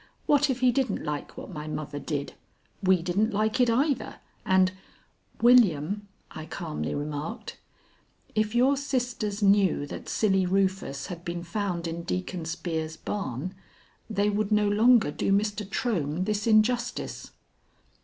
What if he didn't like what my mother did! We didn't like it either, and " "William," I calmly remarked, "if your sisters knew that Silly Rufus had been found in Deacon Spear's barn they would no longer do Mr. Trohm this injustice."